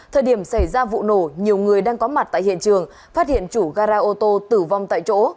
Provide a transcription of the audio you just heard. thời điểm xảy ra vụ nổ nhiều người đang có mặt tại hiện trường phát hiện chủ gara ô tô tử vong tại chỗ